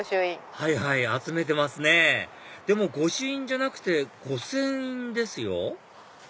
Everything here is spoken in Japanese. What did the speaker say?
はいはい集めてますねでも御朱印じゃなくて御船印ですよ？